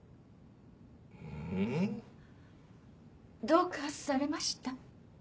どうかされました？